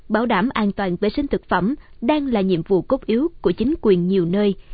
bảo đảm an toàn vệ sinh thực phẩm đang là nhiệm vụ cốt yếu của chính quyền nhiều nơi